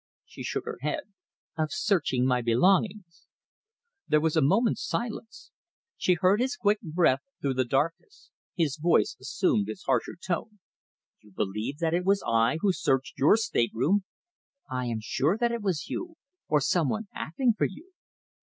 She shook her head. "Of searching my belongings." There was a moment's silence. She heard his quick breath through the darkness. His voice assumed its harsher tone. "You believe that it was I who searched your stateroom?" "I am sure that it was you, or some one acting for you."